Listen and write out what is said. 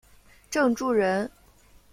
郑注人。